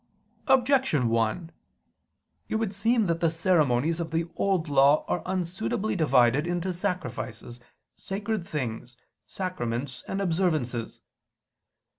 Objection 1: It would seem that the ceremonies of the Old Law are unsuitably divided into "sacrifices, sacred things, sacraments, and observances."